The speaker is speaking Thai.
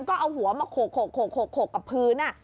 ก็เอาหัวมาโขกกับพื้น